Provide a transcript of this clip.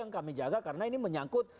yang kami jaga karena ini menyangkut